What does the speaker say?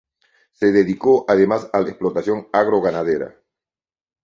Se dedicó, además a la explotación agro-ganadera.